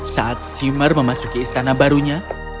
saat seimer memasuki istana barunya